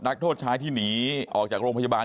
นักโทษชายที่หนีออกจากโรงพยาบาล